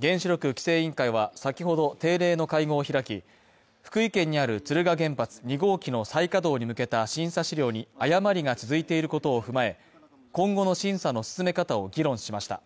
原子力規制委員会は、先ほど定例の会合を開き、福井県にある敦賀原発２号機の再稼働に向けた審査資料に誤りが続いていることを踏まえ、今後の審査の進め方を議論しました。